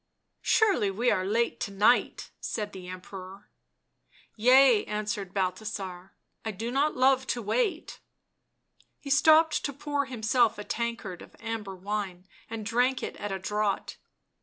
11 Surely we are late to night," said the Emperor. " Yea," answered Balthasar ; "I do not love to wait." He stopped to pour himself a tankard of amber wine and drank it at a draught.